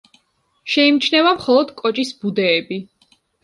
შეიმჩნევა მხოლოდ კოჭის ბუდეები.